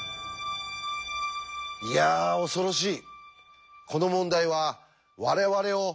いや恐ろしい。